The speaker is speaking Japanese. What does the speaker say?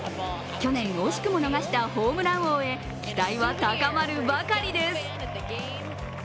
去年惜しくも逃したホームラン王へ期待は高まるばかりです。